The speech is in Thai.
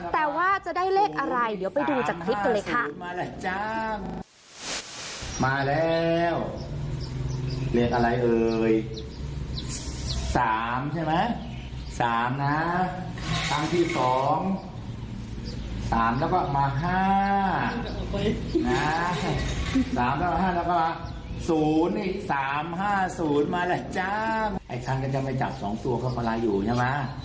แต่ว่าจะได้เลขอะไรเดี๋ยวไปดูจากคลิปกันเลยค่ะ